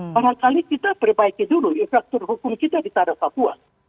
barangkali kita perbaiki dulu infrastruktur hukum kita di tanah papua